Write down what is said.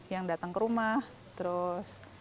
yang datang ke rumah terus